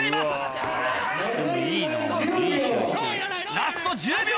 ラスト１０秒！